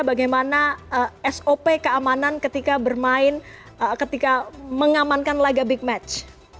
bagaimana sop keamanan ketika bermain ketika mengamankan laga big match